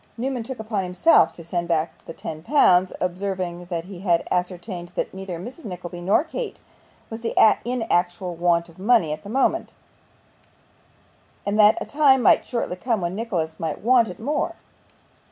Newman took upon himself to send back the ten pounds, observing that he had ascertained that neither Mrs. Nickleby nor Kate was in actual want of money at the moment, and that a time might shortly come when Nicholas might want it more.